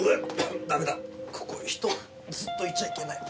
ダメだここ人ずっといちゃいけない。